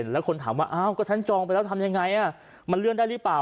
แล้วคนถามว่าอ้าวก็ฉันจองไปแล้วทำยังไงมันเลื่อนได้หรือเปล่า